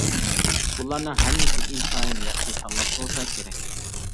بۇلارنىڭ ھەممىسى ئىنتايىن ياخشى تاللاش بولسا كېرەك.